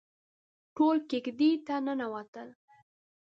ټول کېږدۍ ته ننوتل.